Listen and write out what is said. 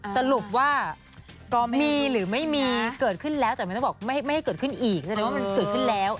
สรุปว่าก็มีหรือไม่มีเกิดขึ้นแล้วแต่ไม่ให้บอกไม่ให้เกิดขึ้นอีก